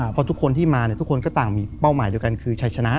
เพราะทุกคนที่มาทุกคนก็ต่างมีเป้าหมายเดียวกันคือชัยชนะ